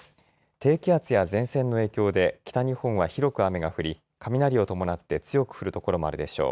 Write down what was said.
低気圧や前線の影響で北日本は広く雨が降り、雷を伴って強く降る所もあるでしょう。